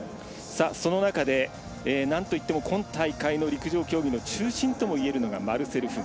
その中でなんといっても今大会の陸上競技の中心ともいえるのがマルセル・フグ。